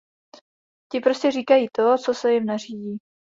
Ti prostě říkají to, co se jim nařídí.